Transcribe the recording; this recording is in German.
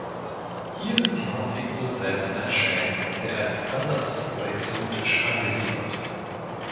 Hier ist die Hauptfigur selbst ein Schelm, der als „anders“ oder „exotisch“ angesehen wird.